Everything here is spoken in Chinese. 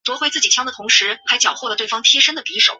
海伦斯堡东岸。